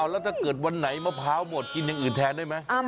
แล้วถ้าเกิดวันไหนมะพร้าวหมดกินอย่างอื่นแทนได้ไหม